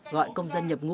gọi công dân nhập ngôi